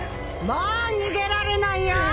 もう逃げられないよ！